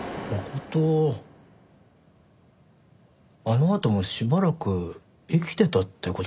あのあともしばらく生きてたって事ですか？